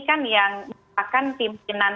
kan yang merupakan timpinan